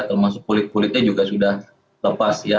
termasuk kulit kulitnya juga sudah lepas ya